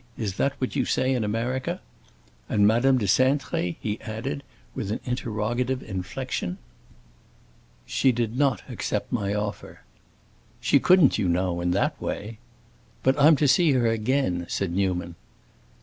Is that what you say in America? And Madame de Cintré?" he added, with an interrogative inflection. "She did not accept my offer." "She couldn't, you know, in that way." "But I'm to see her again," said Newman.